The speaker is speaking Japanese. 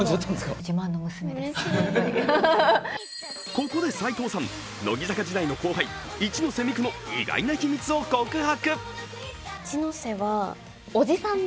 ここで齋藤さん乃木坂時代の後輩・一ノ瀬美空の意外な秘密を告白。